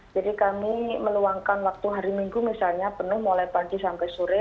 jadi kami meluangkan waktu hari minggu misalnya penuh mulai pagi sampai sore